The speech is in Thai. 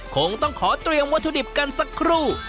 คงต้องขอเตรียมวัตถุดิบกันสักครู่